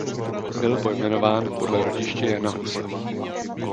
Byl pojmenován podle rodiště Jana Husa.